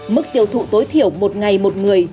mức tiêu thụ tối thiểu một ngày một người